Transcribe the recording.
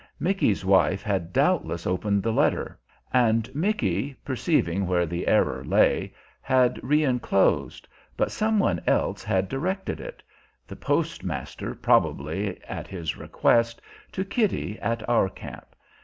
Micky's wife had doubtless opened the letter, and Micky, perceiving where the error lay, had reinclosed, but some one else had directed it the postmaster, probably, at his request to Kitty, at our camp.